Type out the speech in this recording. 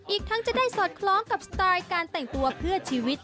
อีกทั้งจะได้สอดคล้องกับสไตล์การแต่งตัวเพื่อชีวิต